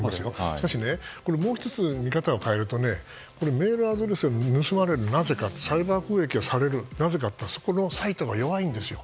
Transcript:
しかし、もう１つ見方を変えるとメールアドレスが盗まれるなぜかサイバー攻撃をされる、なぜかそこのサイトが弱いんですよ。